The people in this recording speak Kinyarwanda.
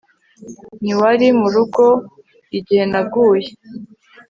Ntiwari murugo igihe naguye